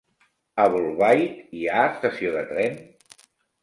A Bolbait hi ha estació de tren?